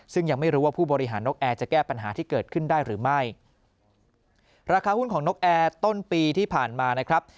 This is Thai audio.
ซึ่งยังไม่รู้ว่าผู้บริหารนกแอร์จะแก้ปัญหาที่เกิดขึ้นได้หรือไม่ราคาหุ้นของนกแอร์ต้นปีที่ผ่านมานะครับ